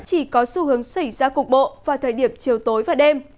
chỉ có xu hướng xảy ra cục bộ vào thời điểm chiều tối và đêm